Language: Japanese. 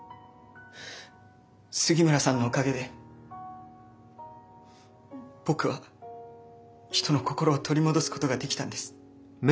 杉村さんのおかげで僕は人の心を取り戻すことができたんです。